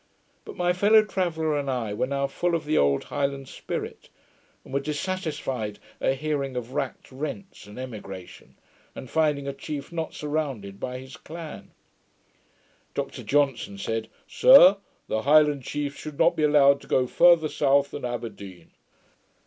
But my fellow traveller and I were now full of the old Highland spirit, and were dissatisfied at hearing of racked rents and emigration; and finding a chief not surrounded by his clan. Dr Johnson said, 'Sir, the Highland chiefs should not be allowed to go farther south than Aberdeen.